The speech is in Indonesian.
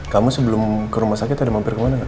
kamu sebelum ke rumah sakit ada mampir kemana gak